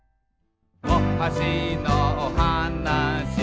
「おはしのおはなし」